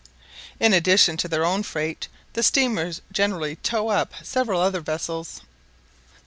In addition to their own freight, the steamers generally tow up several other vessels.